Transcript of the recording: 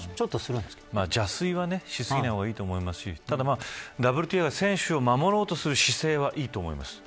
邪推はしすぎない方がいいと思いますしただＷＴＡは、選手を守ろうとする姿勢はいいと思います。